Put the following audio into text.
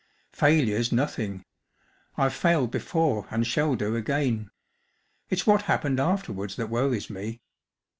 " Failure's nothing. I’ve failed before and shall do again. It r s what happened afterwards that worries me.